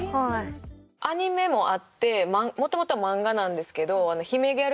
アニメもあって元々は漫画なんですけど。